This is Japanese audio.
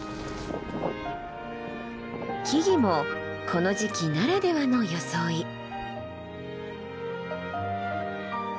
木々もこの時期ならではの装い。